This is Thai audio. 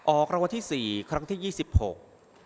ออกรางวัลที่สี่ครั้งที่ยี่สิบหก